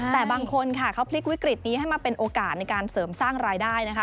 แต่บางคนค่ะเขาพลิกวิกฤตนี้ให้มาเป็นโอกาสในการเสริมสร้างรายได้นะคะ